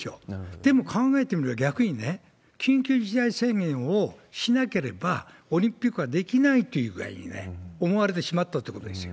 でも考えてみれば逆に、緊急事態宣言をしなければオリンピックはできないっていうぐらいに思われてしまったということですよ。